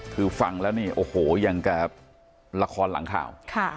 คือฟังแล้วนี่โอ้โหยังกับละครหลังข่าว